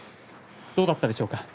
どうだったでしょうか。